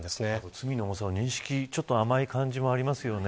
罪の重さを認識甘い感じもありますよね。